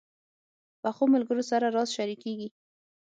پخو ملګرو سره راز شریکېږي